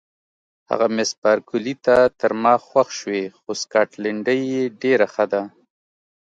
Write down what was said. هغه مس بارکلي ته تر ما خوښ شوې، خو سکاټلنډۍ یې ډېره ښه ده.